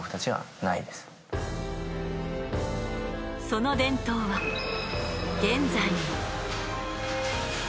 その伝統は現在も。